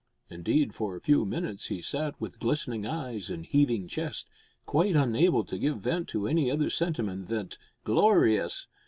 Indeed, for a few minutes he sat with glistening eyes and heaving chest, quite unable to give vent to any other sentiment than "glorious!"